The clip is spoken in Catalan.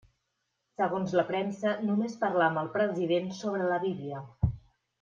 Segons la premsa, només parlà amb el president sobre la Bíblia.